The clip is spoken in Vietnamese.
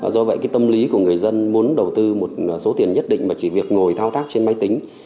do vậy cái tâm lý của người dân muốn đầu tư một số tiền nhất định mà chỉ việc ngồi thao tác trên máy tính